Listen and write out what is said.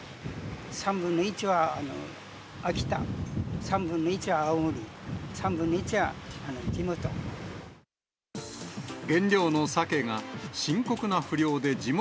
３分の１は秋田、３分の１は青森、３分の１は地元。